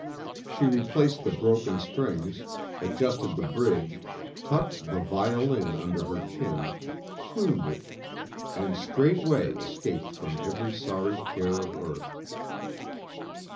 She replaced the broken strings, adjusted the bridge, tucked the violin under her chin, tuned it, and straightway escaped from every sorry care of earth.